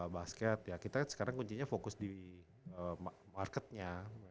basket ya kita sekarang kuncinya fokus di marketnya